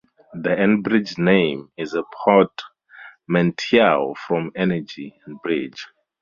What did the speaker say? The Enbridge name is a portmanteau from "energy" and "bridge".